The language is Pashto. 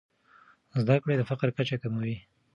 زده کړې د فقر کچه کموي.